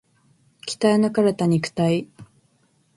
鍛え抜かれた肉体